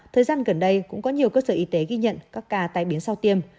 thời gian gần đây cũng có nhiều cơ sở y tế ghi nhận các ca tai biến sau tiêm